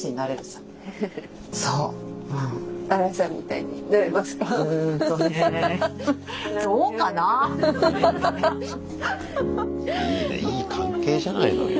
いいねいい関係じゃないのよ。